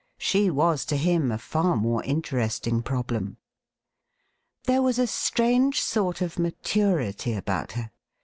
She was to him a far more interesting problem. There was a strange sort of maturity about her.